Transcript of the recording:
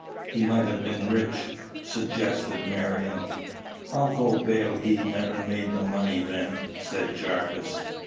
"He might have been rich," suggested Marion. "I'll go bail he never made the money then," said Jarvis.